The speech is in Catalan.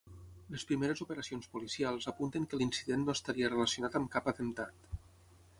Les primeres operacions policials apunten que l’incident no estaria relacionat amb cap atemptat.